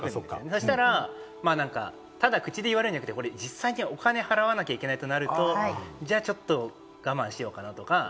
そうしたら、ただ口で言われるんじゃなくて、実際にお金払わなきゃいけないとなると、じゃあちょっと我慢しようかなとか。